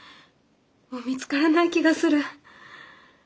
もう見つからない気がする。